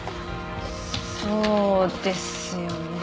そうですよね。